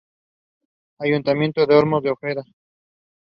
She does not have any social media accounts.